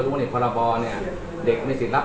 น้องเขาเป็นคนพูดว่า